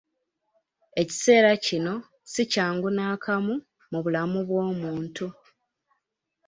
Ekiseera kino si kyangu n'akamu mu bulamu bw'omuntu.